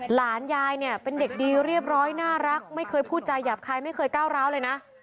หลานยายเนี่ยเป็นเด็กดีเรียบร้อยน่ารักไม่เคยพูดจาหยาบคายไม่เคยก้าวร้าวเลยนะ